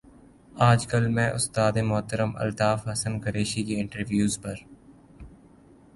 آج کل میں استاد محترم الطاف حسن قریشی کے انٹرویوز پر